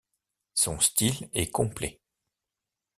Son style est complet.